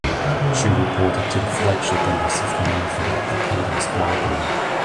She reported to the flagship and received mail for the blockading squadron.